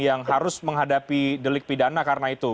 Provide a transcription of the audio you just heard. yang harus menghadapi delik pidana karena itu